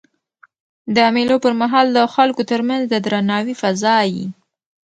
د مېلو پر مهال د خلکو ترمنځ د درناوي فضا يي.